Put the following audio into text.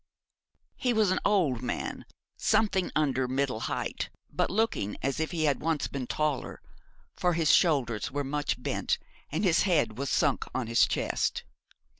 He was an old man, something under middle height, but looking as if he had once been taller; for his shoulders were much bent, and his head was sunk on his chest.